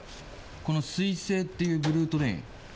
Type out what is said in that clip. この「彗星」っていうブルートレイン